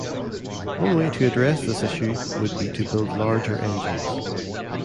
One way to address this issue would be to build larger engines.